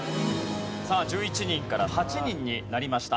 さあ１１人から８人になりました。